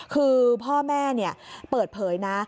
คือพ่อแม่เปิดเผยนะ